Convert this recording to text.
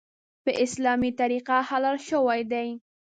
په اسلامي طریقه حلال شوی دی .